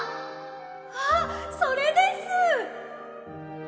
あっそれです！